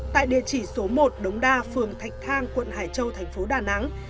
tại địa chỉ số một đống đa phường thạch thang quận hải châu thành phố đà nẵng